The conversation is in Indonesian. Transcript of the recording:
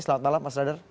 selamat malam mas radar